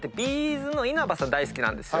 ’ｚの稲葉さん大好きなんですよ。